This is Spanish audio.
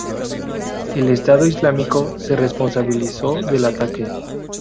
El Estado islámico se responsabilizó del ataque.